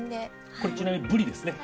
これちなみにブリですね。